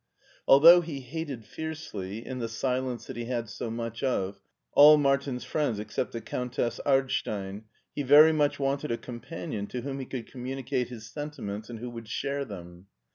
Although he hated fiercely, in the silence that he had so much of, all Martin's friends ex cept the Countess Ardstein, he very much wanted a companion to whom he could communicate his senti ments and who would share them.